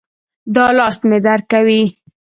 دا لاس مې درد کوي